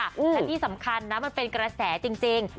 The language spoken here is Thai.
และที่สำคัญนะมันเป็นกระแสจริง